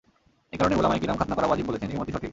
এ কারণেই উলামায়ে কিরাম খাৎনা করা ওয়াজিব বলেছেন—এ মতই সঠিক।